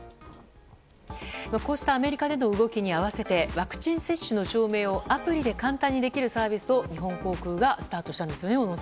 こうしたアメリカでの動きに合わせてワクチン接種の証明をアプリで簡単にできるサービスを日本航空がスタートしたんですね。